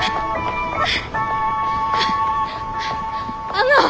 あの！